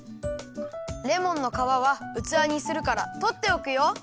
レモンのかわはうつわにするからとっておくよ。